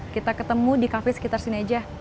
kita ketemu di kafe sekitar sini aja